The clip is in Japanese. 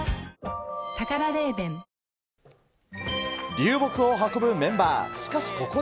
流木を運ぶメンバー。